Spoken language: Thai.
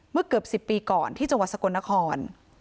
เมื่อเกือบสิบปีก่อนที่จังหวัดสกลนคร